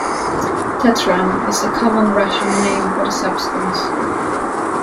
Tetram is the common Russian name for the substance.